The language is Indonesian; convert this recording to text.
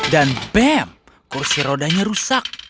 dan bam kursi rodanya rusak